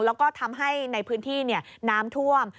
แล้วก็ทำให้ในพื้นที่น้ำท่วม